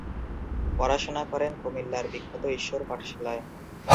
পড়াশোনা করেন কুমিল্লার বিখ্যাত ঈশ্বর পাঠশালায়।